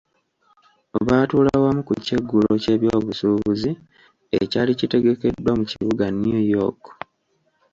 Baatuula wamu ku kyeggulo ky'ebyobusuubuzi ekyali kitegekeddwa mu kibuga New York.